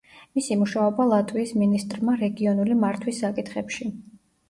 მისი მუშაობა ლატვიის მინისტრმა რეგიონული მართვის საკითხებში.